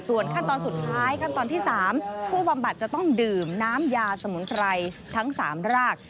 ส่วนขั้นตอนสุดท้ายขั้นตอนที่๓ผู้บำบัดจะต้องดื่มน้ำยาสมุนไพรทั้ง๓ราก